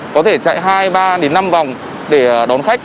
có thể chạy hai ba đến năm vòng để đón khách